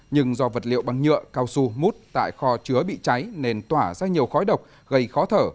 nhưng do vật liệu bằng nhựa cao su mút tại kho chứa bị cháy nên tỏa ra nhiều khói độc gây khó thở